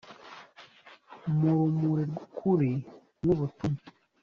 mu rumuri rw’ukuri n’ubutumwa